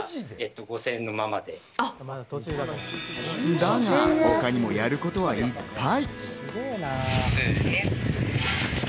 だが、他にもやることはいっぱい。